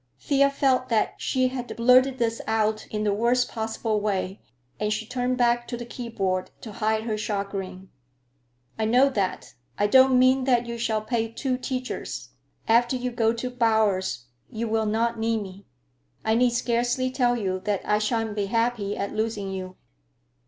Thea felt that she had blurted this out in the worst possible way, and she turned back to the keyboard to hide her chagrin. "I know that. I don't mean that you shall pay two teachers. After you go to Bowers you will not need me. I need scarcely tell you that I shan't be happy at losing you."